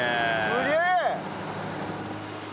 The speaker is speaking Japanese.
すげえ！